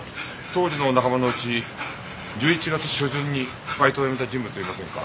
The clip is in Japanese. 当時の仲間のうち１１月初旬にバイトを辞めた人物はいませんか？